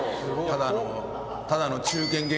ただの。